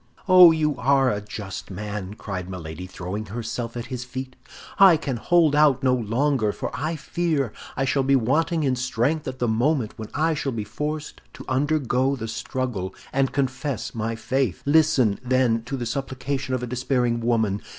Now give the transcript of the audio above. "Oh, you are a just man!" cried Milady, throwing herself at his feet. "I can hold out no longer, for I fear I shall be wanting in strength at the moment when I shall be forced to undergo the struggle, and confess my faith. Listen, then, to the supplication of a despairing woman.